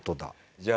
じゃあ。